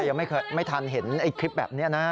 เพราะแม่ยังไม่ทันเห็นไอคลิปแบบเนี่ยนะ